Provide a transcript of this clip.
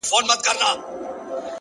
تر مخه ښې وروسته به هم تر ساعتو ولاړ وم،